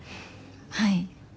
はい。